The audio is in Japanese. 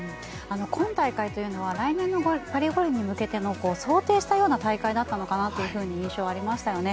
今大会というのは来年のパリ五輪に向けての想定したような大会だったのかなという印象がありましたよね。